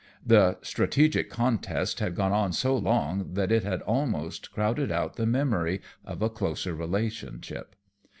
The strategic contest had gone on so long that it had almost crowded out the memory of a closer relationship.